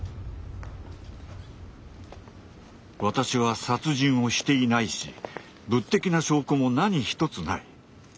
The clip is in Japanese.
私は殺人をしていないし物的な証拠も何一つない。